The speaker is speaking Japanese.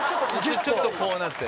ちょっとこうなってる。